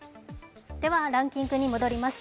ランキングに戻ります。